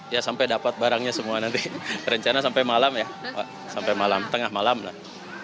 ya sampai dapat barangnya semua nanti rencana sampai malam ya sampai malam tengah malam lah